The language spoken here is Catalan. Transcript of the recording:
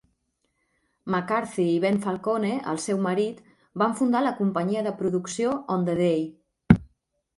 McCarthy y Ben Falcone, el seu marit, van fundar la companyia de producció "On the day".